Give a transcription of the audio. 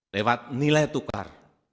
lewat nilai tukar